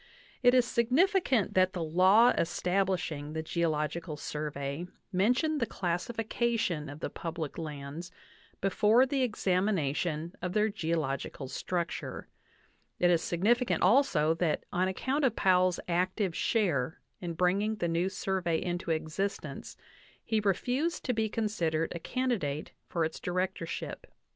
It is significant that the law establishing the Geological Survey mentioned the. classification of the public lands before the ex amination of their geological structure. It is significant also that on account of Powell's active share in bringing the new Survey into existence he refused to be considered a candidate for its directorship.